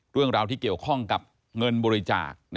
เรื่องราวที่เกี่ยวข้องกับเงินบริจาค